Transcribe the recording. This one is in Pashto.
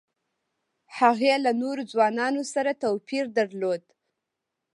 هغې له نورو ځوانانو سره توپیر درلود